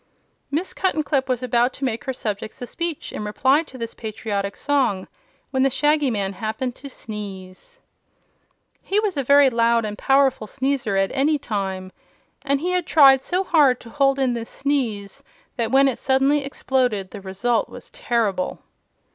Miss Cuttenclip was about to make her subjects a speech in reply to this patriotic song, when the Shaggy Man happened to sneeze. He was a very loud and powerful sneezer at any time, and he had tried so hard to hold in this sneeze that when it suddenly exploded the result was terrible.